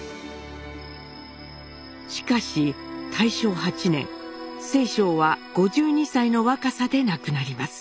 しかし大正８年正鐘は５２歳の若さで亡くなります。